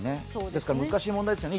ですから難しい問題ですね